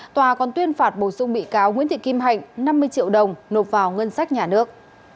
tòa còn tuyên phạt bổ sung bị cáo nguyễn thị kim hạnh năm mươi triệu đồng nộp vào ngân sách nhà nước